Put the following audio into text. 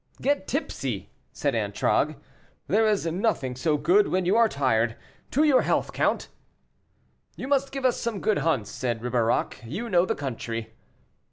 "Get tipsy," said Antragues; "there is nothing so good when you are tired. To your health, count!" "You must give us some good hunts," said Ribeirac, "you know the country."